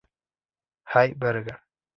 Jay Berger